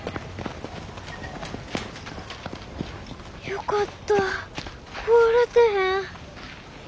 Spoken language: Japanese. よかった壊れてへん。